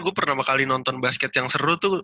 gue pertama kali nonton basket yang seru tuh